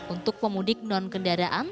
untuk pemudik non kendaraan